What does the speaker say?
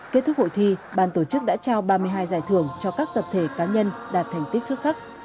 kết thúc hội thi bàn tổ chức đã trao ba mươi hai giải thưởng cho các tập thể cá nhân đạt thành tích xuất sắc